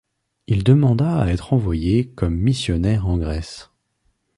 Il demanda à être envoyé comme missionnaire en Grèce.